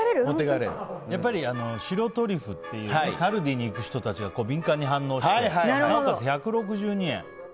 やっぱり、白トリュフってカルディに行く人たちが敏感に反応してなおかつ１６２円。